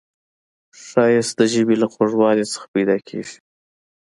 ښایست د ژبې له خوږوالي نه پیداکیږي